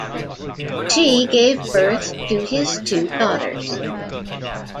She gave birth to his two daughters.